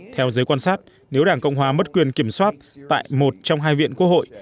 theo giới quan sát nếu đảng cộng hòa mất quyền kiểm soát tại một trong hai viện quốc hội